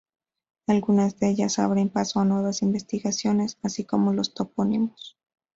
Algunas de ellas abren paso a nuevas investigaciones, así como los topónimos.